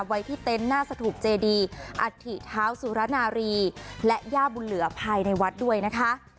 ไว้ที่เต็นต์หน้าสถุปเจดีอัฐิเท้าสุรนารีและย่าบุญเหลือภายในวัดด้วยนะคะ